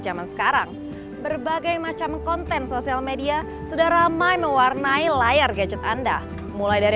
zaman sekarang berbagai macam konten sosial media sudah ramai mewarnai layar gadget anda mulai dari